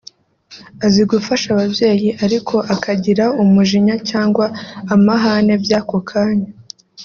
azi gufasha ababyeyi ariko akagira umujinya cyangwa amahane by’ako kanya